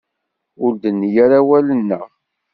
Ur d-nenni ara awal-nneɣ.